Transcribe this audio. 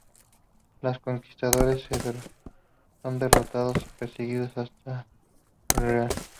Los conquistadores son derrotados y perseguidos hasta el real.